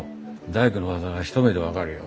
大工の技が一目で分かるよ。